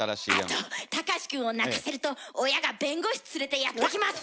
あと隆史くんを泣かせると親が弁護士連れてやって来ます！